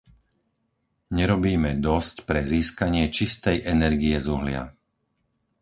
Nerobíme dosť pre získanie čistej energie z uhlia.